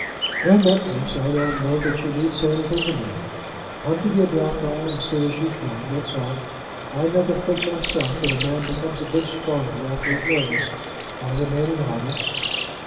"In that case I don't know that you need say anything to me. Come to the Adelphi as soon as you can; that's all. I never think myself that a man becomes a bit stronger after an illness by remaining idle."